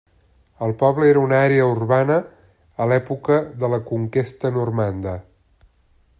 El poble era una àrea urbana a l'època de la Conquesta Normanda.